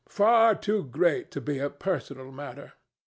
far too great to be a personal matter.